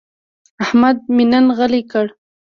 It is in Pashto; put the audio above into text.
احمد مې نن غلی کړ.